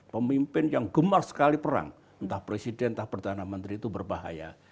pemimpin yang gemar sekali perang entah presiden entah perdana menteri itu berbahaya